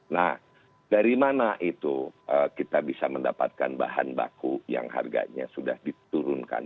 nah dari mana itu kita bisa mendapatkan bahan baku yang harganya sudah diturunkan